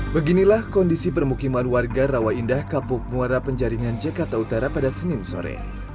beginilah kondisi permukiman warga rawa indah kapuk muara penjaringan jakarta utara pada senin sore